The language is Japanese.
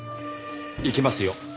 行きますよ。